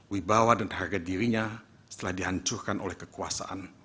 wibawa dan harga dirinya setelah dihancurkan oleh kekuasaan